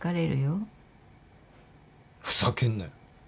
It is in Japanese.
ふざけんなよ。